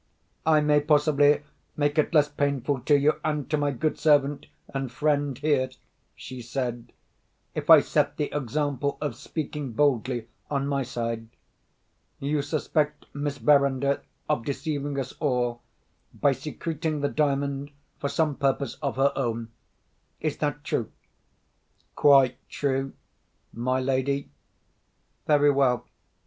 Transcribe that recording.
"I may possibly make it less painful to you, and to my good servant and friend here," she said, "if I set the example of speaking boldly, on my side. You suspect Miss Verinder of deceiving us all, by secreting the Diamond for some purpose of her own? Is that true?" "Quite true, my lady." "Very well.